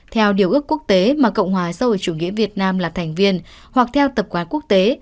theo điều ước quốc tế mà cộng hòa xã hội chủ nghĩa việt nam là thành viên hoặc theo tập quán quốc tế